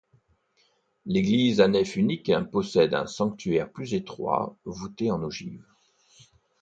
L'église à nef unique possède un sanctuaire plus étroit voûté en ogive.